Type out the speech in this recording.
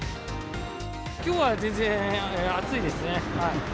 きょうは全然暑いですね。